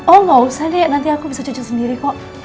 oh gak usah dek nanti aku bisa cucu sendiri kok